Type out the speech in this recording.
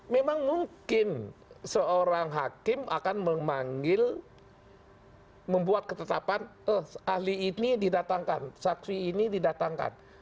memang mungkin seorang hakim akan memanggil membuat ketetapan ahli ini didatangkan saksi ini didatangkan